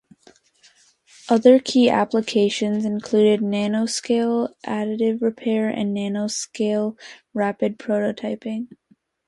Other key applications included nanoscale additive repair and nanoscale rapid prototyping.